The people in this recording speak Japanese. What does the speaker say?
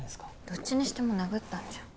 どっちにしても殴ったんじゃん。